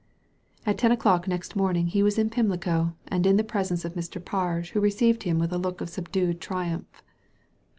At ten o'clock next morning he was in Pimlico, and in the presence of Mr. Parge, who received him with a look of subdued triumph.